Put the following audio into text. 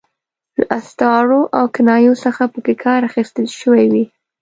له استعارو او کنایو څخه پکې کار اخیستل شوی وي.